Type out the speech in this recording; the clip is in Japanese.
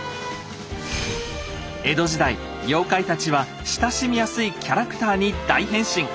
江戸時代妖怪たちは親しみやすいキャラクターに大変身。